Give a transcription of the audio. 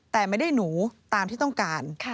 แต่ไม่ได้หนูตามที่ต้องการ